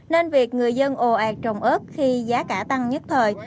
nên việc người dân ồ ạt trồng ớt khi giá cả tăng nhất thời